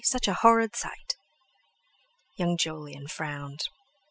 Such a horrid sight!" Young Jolyon frowned.